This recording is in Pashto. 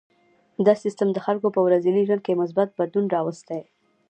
دا سیستم د خلکو په ورځني ژوند کې مثبت بدلون راوستی.